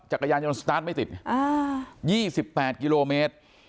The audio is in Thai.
จักรยานยนต์สตาร์ทไม่ติด๒๘กิโลเมตร